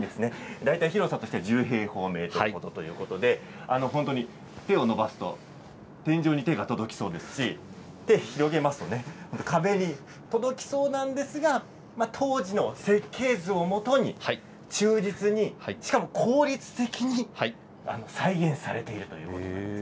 大体、広さとしては１０平方メートル程度ということで手を伸ばすと天井に手が届きそうですし手を広げますと壁に届きそうなんですが当時の設計図をもとに、忠実にしかも効率的に再現されているということです。